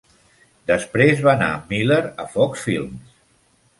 Després va anar amb Miller a Fox Films.